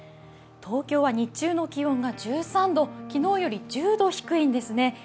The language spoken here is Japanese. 東京は日中の気温が１３度、昨日より１０度低いんですね。